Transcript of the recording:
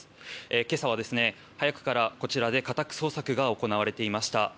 今朝は早くからこちらで家宅捜索が行われていました。